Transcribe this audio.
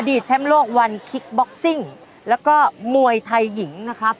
แชมป์โลกวันคิกบ็อกซิ่งแล้วก็มวยไทยหญิงนะครับ